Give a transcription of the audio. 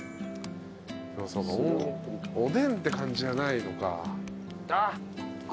おでんって感じじゃないのか。